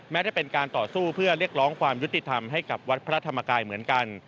ได้เป็นการต่อสู้เพื่อเรียกร้องความยุติธรรมให้กับวัดพระธรรมกายเหมือนกัน